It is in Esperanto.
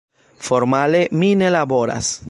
Formale mi ne laboras.